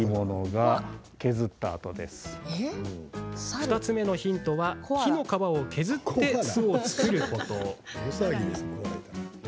２つ目のヒントは木の皮を削って巣を作ること。